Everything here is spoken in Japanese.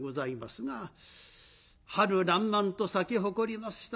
春らんまんと咲き誇りました